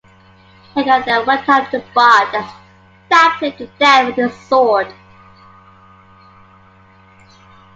Egil then went up to Bard and stabbed him to death with his sword.